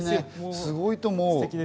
すごいと思う。